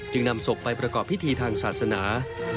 นำศพไปประกอบพิธีทางศาสนา